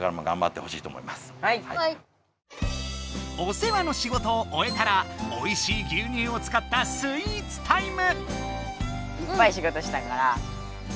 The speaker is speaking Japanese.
お世話の仕事をおえたらおいしい牛乳を使ったスイーツタイム！